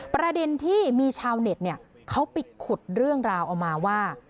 ประเด็นที่มีชาวเน็ตเขาไปขุดเรื่องราวเอามาว่า